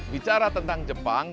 bicara tentang jepang